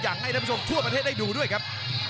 ให้ท่านผู้ชมทั่วประเทศได้ดูด้วยครับ